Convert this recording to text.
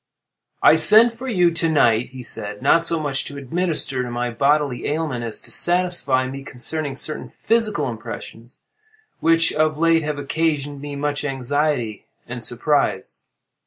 "I sent for you to night," he said, "not so much to administer to my bodily ailment, as to satisfy me concerning certain psychal impressions which, of late, have occasioned me much anxiety and surprise.